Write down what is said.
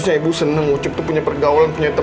aduh aduh aduh aduh aduh aduh